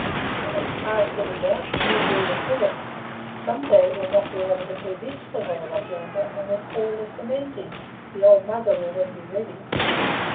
"It is, past any doubt, a new breed of bullock. Some day it will not be able to keep its foothold up yonder, and will fall as the men did. The old Mugger will then be ready."